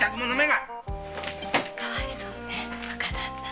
かわいそうね若旦那。